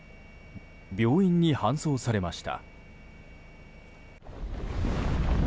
病院に搬送されました。